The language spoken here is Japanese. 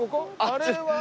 あれは。